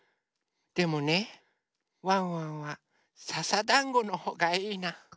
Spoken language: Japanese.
でもねワンワンはささだんごのほうがいいな。